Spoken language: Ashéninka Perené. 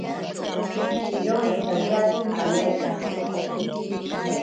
Iro inchatyaki kameetsa.